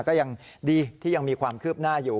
ก็ยังดีที่ยังมีความคืบหน้าอยู่